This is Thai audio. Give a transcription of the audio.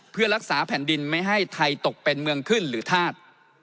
เพื่อรักษาแผ่นดินไม่ให้ไทยตกเป็นเมืองขึ้นหรือธาตุ